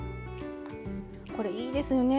これいいですよね。